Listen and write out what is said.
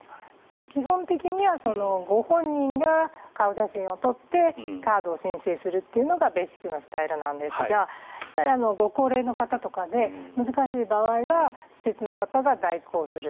基本的にはご本人が顔写真を撮ってカードを申請するのがベーシックなスタイルなんですがご高齢の方とかで難しい場合は施設の方が代行する。